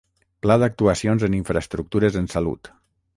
Pla d'actuacions en infraestructures en salut.